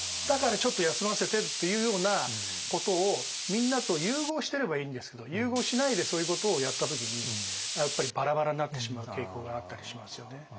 だからちょっと休ませてっていうようなことをみんなと融合してればいいんですけど融合しないでそういうことをやった時にやっぱりバラバラになってしまう傾向があったりしますよね。